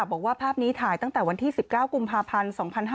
บอกว่าภาพนี้ถ่ายตั้งแต่วันที่๑๙กุมภาพันธ์๒๕๕๙